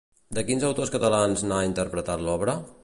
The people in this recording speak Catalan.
De quins autors catalans n'ha interpretat l'obra?